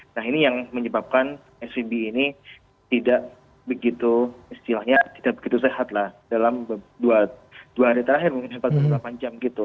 nah ini yang menyebabkan svb ini tidak begitu istilahnya tidak begitu sehat lah dalam dua hari terakhir mungkin empat puluh delapan jam gitu